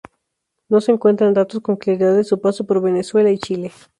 No se encuentran datos con claridad de su paso por Venezuela y Chile.